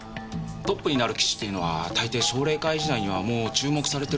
トップになる棋士っていうのは大抵奨励会時代にはもう注目されてるものなんです。